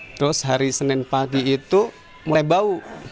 terus hari senin pagi itu mulai bau